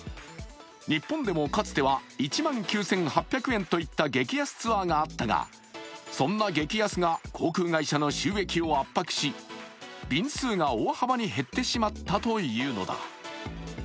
日本でもかつては１万９８００円といった激安ツアーがあったがそんな激安が航空会社の収益を圧迫し、便数が大幅に減ってしまったというのだ。